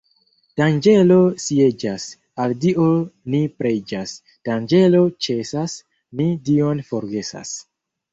Danĝero sieĝas, al Dio ni preĝas; danĝero ĉesas, ni Dion forgesas.